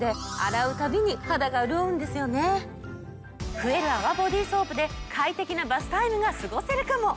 増える泡ボディソープで快適なバスタイムが過ごせるかも！